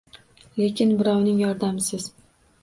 Lekin birovning yordamisiz